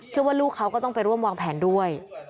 ลูกเขาก็ต้องไปร่วมวางแผนด้วย